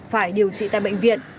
phải điều trị tại bệnh viện